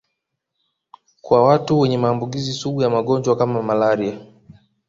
Kwa watu wenye maambukizi sugu ya magonjwa kama malaria